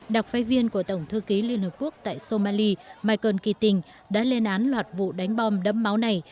đặc phái viên của tổng thư ký liên hợp quốc tại somali michael kutin đã lên án loạt vụ đánh bom đẫm máu này